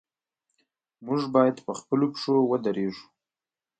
موږ باید په خپلو پښو ودریږو.